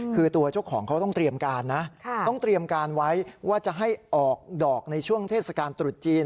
คือตัวเจ้าของเขาต้องเตรียมการนะต้องเตรียมการไว้ว่าจะให้ออกดอกในช่วงเทศกาลตรุษจีน